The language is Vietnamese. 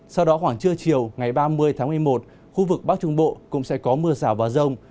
sau đó khoảng trưa chiều ngày ba mươi tháng một mươi một khu vực bắc trung bộ cũng sẽ có mưa rào và rông